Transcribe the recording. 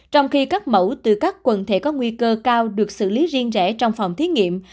trong khi các mẫu từ các quần thể có nguy cơ cao được xử lý riêng rẽ trong phòng thí nghiệm